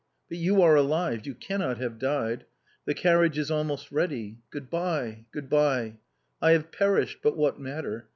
But you are alive, you cannot have died!... The carriage is almost ready... Good bye, good bye!... I have perished but what matter?